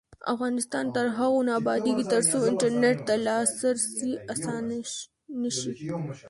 افغانستان تر هغو نه ابادیږي، ترڅو انټرنیټ ته لاسرسی اسانه نشي.